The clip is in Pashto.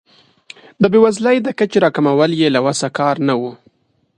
د بیوزلۍ د کچې راکمول یې له وس کار نه و.